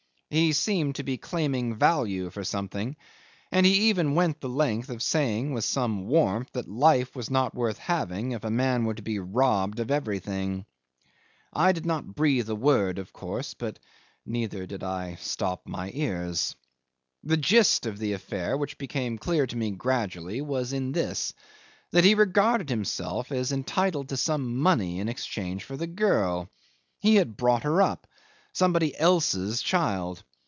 He seemed to be claiming value for something, and he even went the length of saying with some warmth that life was not worth having if a man were to be robbed of everything. I did not breathe a word, of course, but neither did I stop my ears. The gist of the affair, which became clear to me gradually, was in this, that he regarded himself as entitled to some money in exchange for the girl. He had brought her up. Somebody else's child.